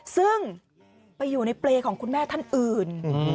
ซึ่งไปอยู่ในเปรย์ของคุณแม่ท่านอื่น